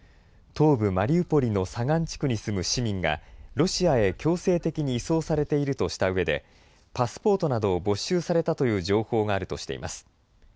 東部マリウポリの左岸地区に住む市民がロシアへ強制的に移送されているとしたうえでパスポートなどを没収されたという情報があるとしています。